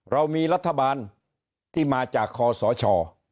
เรามีรัฐบาลที่มาจากคอสช